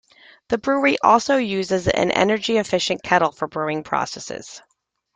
The brewery also uses an energy-efficient kettle for the brewing process.